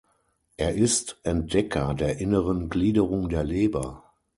Er ist Entdecker der inneren Gliederung der Leber.